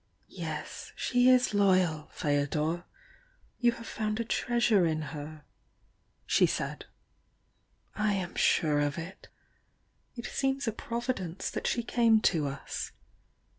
"Yes, she is loyal, Feodor! You have found a treasure in her," she said — "I am sure of it. It seems a providence that she came to us."